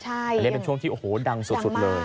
อันนี้เป็นช่วงที่โอ้โหดังสุดเลย